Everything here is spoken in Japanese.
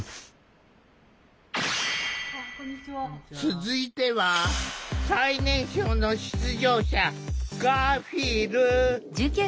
続いては最年少の出場者ガーフィール。